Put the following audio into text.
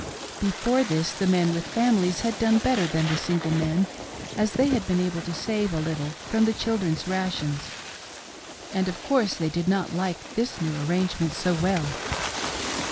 Before this, the men with families had done better than the single men, as they had been able to save a little from the children's rations, and of course they did not like this new arrangement so well.